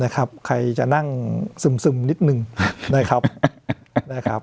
ใครจะนั่งซึมนิดนึงนะครับ